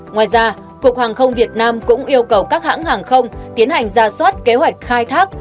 ngoài ra cục hàng không việt nam cũng yêu cầu các hãng hàng không tiến hành ra soát kế hoạch khai thác